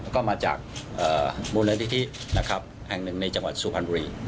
ก็มาจากมูลนิธินะครับแห่งหนึ่งในจังหวัดสุพรรณบุรี